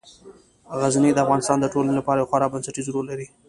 غزني د افغانستان د ټولنې لپاره یو خورا بنسټيز رول لري.